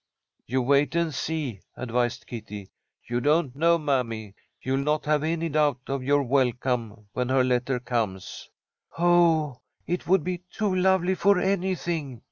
"You wait and see," advised Kitty. "You don't know mammy! You'll not have any doubt of your welcome when her letter comes." "Oh, it would be too lovely for anything!"